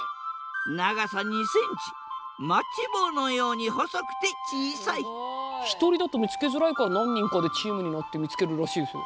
長さ２センチマッチ棒のように細くて小さい一人だと見つけづらいから何人かでチームになって見つけるらしいですよ。